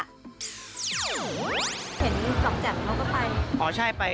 เห็นจ้อมแจ๋มเขาก็ไป